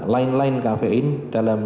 lain lain kafein dalam